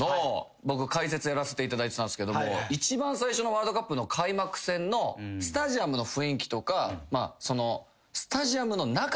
やらせていただいてたんすけど一番最初のワールドカップの開幕戦のスタジアムの雰囲気とか。